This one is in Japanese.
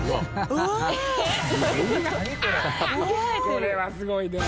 これはすごいね。